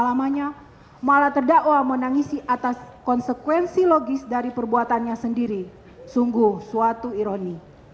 lamanya malah terdakwa menangisi atas konsekuensi logis dari perbuatannya sendiri sungguh suatu ironi